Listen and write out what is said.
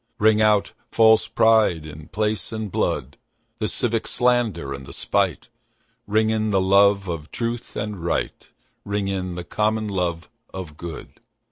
Ring out false pride in place and blood, The civic slander and the spite; Ring in the love of truth and right, Ring in the common love of good.